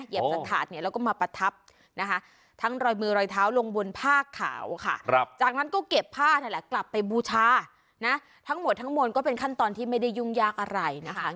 สถานเนี่ยแล้วก็มาประทับนะคะทั้งรอยมือรอยเท้าลงบนผ้าขาวค่ะจากนั้นก็เก็บผ้านั่นแหละกลับไปบูชานะทั้งหมดทั้งมวลก็เป็นขั้นตอนที่ไม่ได้ยุ่งยากอะไรนะคะ